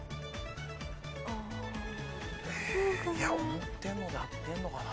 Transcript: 思ってんので合ってんのかな？